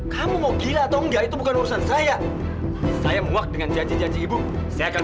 kamu mau gila atau enggak itu bukan urusan saya saya muak dengan janji janji ibu saya akan